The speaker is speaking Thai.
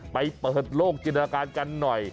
ไปเปิดโลกจินตนาการกันหน่อย